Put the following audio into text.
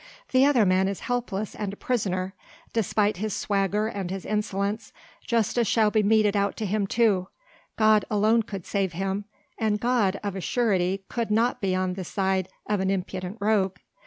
The other man is helpless and a prisoner; despite his swagger and his insolence, justice shall be meted out to him too; God alone could save him, and God, of a surety, could not be on the side of an impudent rogue.